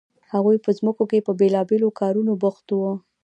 هغوی په ځمکو کې په بیلابیلو کارونو بوخت وو.